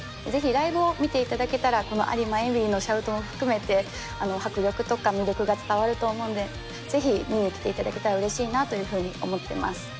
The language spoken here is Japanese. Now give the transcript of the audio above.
ぜひライブを見ていただけたら、この有馬えみりのシャウトも含めて、迫力とか魅力が伝わると思うんで、ぜひ、見に来ていただけたらうれしいなというふうに思ってます。